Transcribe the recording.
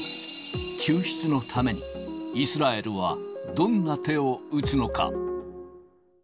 救出のためにイスラエルはどんな手を打つのか。